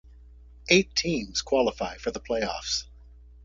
Eight teams qualify for the playoffs.